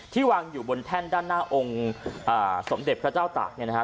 วางอยู่บนแท่นด้านหน้าองค์สมเด็จพระเจ้าตากเนี่ยนะฮะ